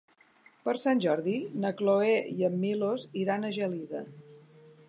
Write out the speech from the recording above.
Per Sant Jordi na Cloè i en Milos iran a Gelida.